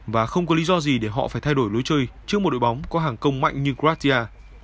và không có lý do gì để họ phải thay đổi lối chơi trước một đội bóng có hàng công mạnh như gratia